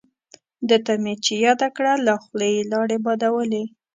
دته مې چې یاده کړه له خولې یې لاړې بادولې.